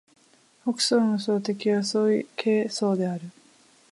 河北省の省都は石家荘である